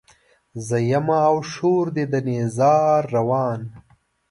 زه يمه او شور دی د نيزار روان